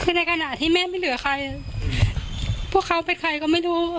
คือในขณะที่แม่ไม่เหลือใครพวกเขาเป็นใครก็ไม่รู้